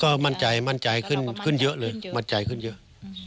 ก็มั่นใจขึ้นเยอะเลยมั่นใจขึ้นเยอะ